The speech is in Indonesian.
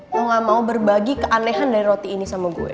mau gak mau berbagi keanehan dari roti ini sama gue